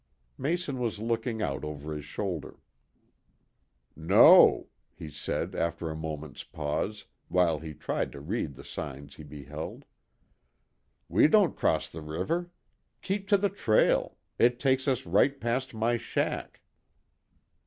Mason was looking out over his shoulder. "No," he said after a moment's pause, while he tried to read the signs he beheld. "We don't cross the river. Keep to the trail. It takes us right past my shack."